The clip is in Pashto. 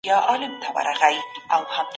زه هیڅکله په خپل مسلک کي خیانت نه کوم.